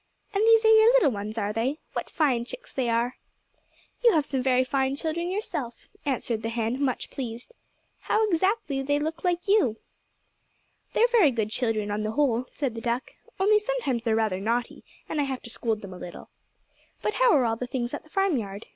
"And these are your little ones, are they? What fine chicks they are." "You have some fine children, yourself," answered the hen, much pleased. "How exactly they look like you." "They're very good children, on the whole," said the duck, "only sometimes they're rather naughty, and I have to scold them a little. But how are all the things at the farmyard?